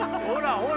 ほら！